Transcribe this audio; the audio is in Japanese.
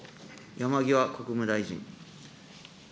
山際国務大臣。